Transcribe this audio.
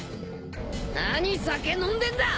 何酒飲んでんだ！